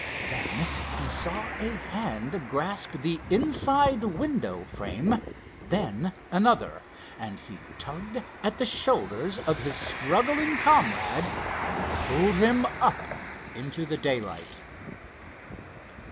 Then he saw a hand grasp the inside window frame, then another, and he tugged at the shoulders of his struggling comrade and pulled him up into daylight.